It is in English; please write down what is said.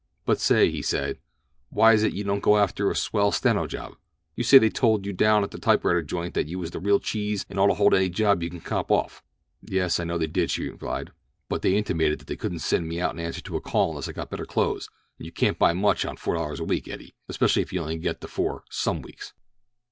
"But say," he said, "why is it you don't go after a swell steno job? You say they told you down at the typewriter joint that you was the real cheese and ought to hold any job you could cop off." "Yes, I know they did," she replied, "but they intimated that they couldn't send me out in answer to a call unless I had better clothes, and you can't buy much on four dollars a week, Eddie, especially if you only get the four some weeks."